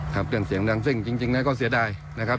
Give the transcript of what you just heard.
ครับเรื่องเสียงมันดังซึ่งจริงจริงนั้นก็เสียดายนะครับ